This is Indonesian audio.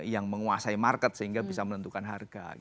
yang menguasai market sehingga bisa menentukan harga